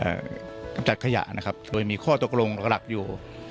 เรื่องของการกำจัดขยะนะครับโดยมีข้อตกลงแล้วก็หลักอยู่